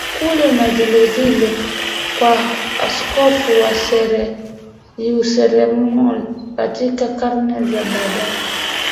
kule na vilevile kwa Askofu wa Yerusalemu Katika karne za baadaye